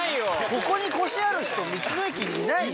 ここに腰ある人道の駅にいないし。